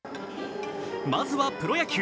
まずはプロ野球。